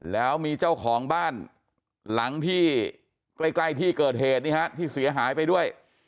แล้วมีเจ้าของบ้านหลังที่ใกล้ที่เกิดเหตุนี่ฮะที่เสียหายไปด้วย